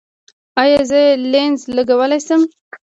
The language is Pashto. ایا زه لینز لګولی شم؟